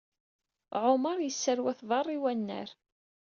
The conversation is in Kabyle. Ɛumaṛ yesserwat beṛṛa i wannar.